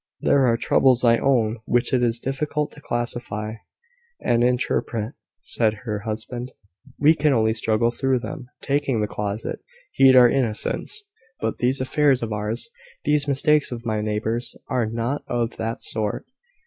"There are troubles, I own, which it is difficult to classify and interpret," said her husband. "We can only struggle through them, taking the closest heed to our innocence. But these affairs of ours these mistakes of my neighbours are not of that sort.